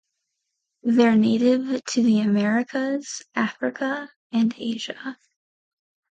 There native to the Americas, Africa, and Asia.